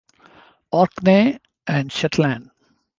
Orkney and Shetland.